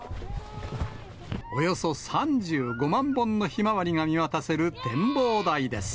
およそ３５万本のひまわりが見渡せる展望台です。